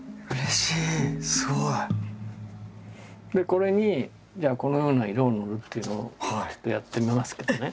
これにじゃあこのような色を塗るっていうのをちょっとやってみますけどね。